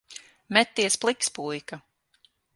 Meties pliks, puika.